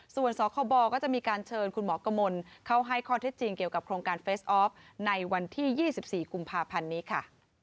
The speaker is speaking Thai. ส่วนสคบก็จะมีการเชิญคุณหมอกมลเข้าให้ข้อเท็จจริงเกี่ยวกับโครงการเฟสออฟในวันที่๒๔กุมภาพันธ์นี้ค่ะ